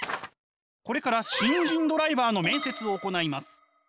これから新人ドライバーの面接を行います。